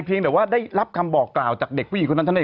เพียงแต่ได้รับคำบอกกล่าวจากเด็กผู้หญิงคนนั้น